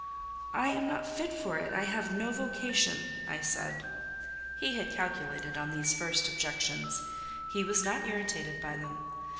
"I am not fit for it: I have no vocation," I said. He had calculated on these first objections: he was not irritated by them.